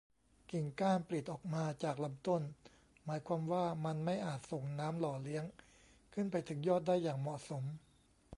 กิ่งก้านปลิดออกมาจากลำต้น หมายความว่ามันไม่อาจส่งน้ำหล่อเลี้ยงขึ้นไปถึงยอดได้อย่างเหมาะสม